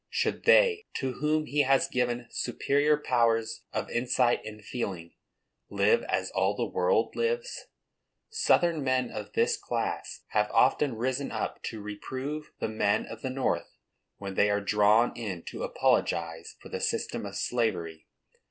Should they, to whom he has given superior powers of insight and feeling, live as all the world live? Southern men of this class have often risen up to reprove the men of the North, when they are drawn in to apologize for the system of slavery.